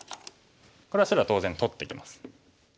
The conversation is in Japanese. これは白は当然取ってきます。